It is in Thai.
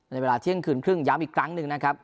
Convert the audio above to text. ในเวลาเที่ยงคืนครึ่งย้ำอีกครั้งหนึ่งนะครับ